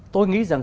tôi nghĩ rằng